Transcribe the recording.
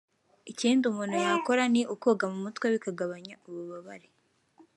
Ikindi umuntu yakora ni ukoga mu mutwe bikagabanya ububabare